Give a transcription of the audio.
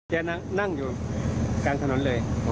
แกนั่งอยู่กลางถนนเลย